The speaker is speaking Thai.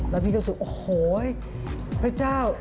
แล้วพี่ก็รู้สึกโอ้โหพระเจ้า